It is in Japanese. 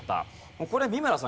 これ三村さん